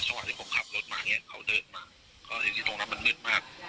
เวลาที่ผมขับรถมาเนี่ยเขาเดินมาเรียกว่าตอนนั้นมันมืดมาก